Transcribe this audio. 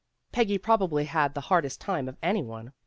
Peggy probably had the hardest time of any one.